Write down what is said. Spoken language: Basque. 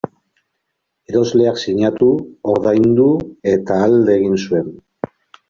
Erosleak sinatu, ordaindu eta alde egin zuen.